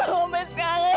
aku bisa gak ada disini